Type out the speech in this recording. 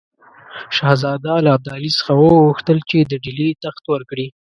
شهزاده له ابدالي څخه وغوښتل چې د ډهلي تخت ورکړي.